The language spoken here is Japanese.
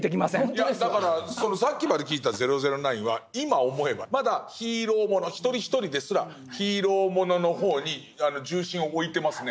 いやだからさっきまで聞いてた「００９」は今思えばまだヒーローもの一人一人ですらヒーローものの方に重心を置いてますね。